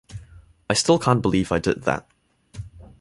I still can't believe I did that.